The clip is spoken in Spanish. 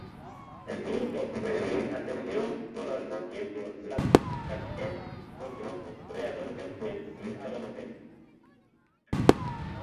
El grupo juvenil atendió por algún tiempo la catequesis, los grupos pre-adolescentes y adolescentes.